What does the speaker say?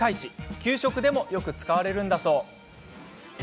給食でも、よく使われるんだそう。